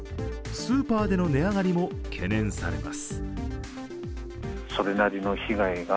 スーパーでの値上がりも懸念されます。